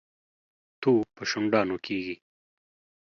تو په شونډانو کېږي.